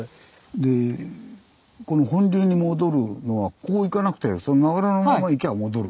でこの本流に戻るのはこう行かなくてその流れのまま行きゃ戻るというね。